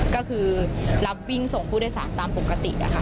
ก็คือรับวิ่งส่งผู้โดยสารตามปกตินะคะ